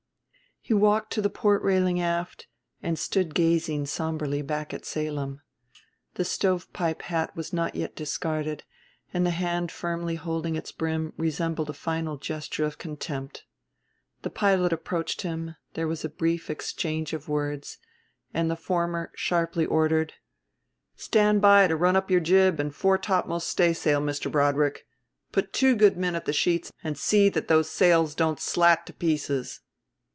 He walked to the port railing aft and stood gazing somberly back at Salem. The stovepipe hat was not yet discarded, and the hand firmly holding its brim resembled a final gesture of contempt. The pilot approached him, there was a brief exchange of words, and the former sharply ordered: "Stand by to run up your jib and fore topmast staysail, Mr. Broadrick. Put two good men at the sheets and see that those sails don't slat to pieces.